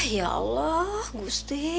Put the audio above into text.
ya allah gusti